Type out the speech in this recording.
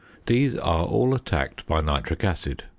These are all attacked by nitric acid.